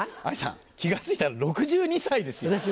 兄さん気が付いたら６２歳ですよ。